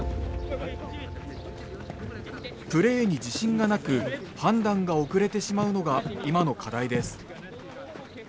プレーに自信がなく判断が遅れてしまうのが今の課題です。